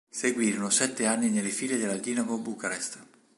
Seguirono sette anni nelle file della Dinamo Bucarest.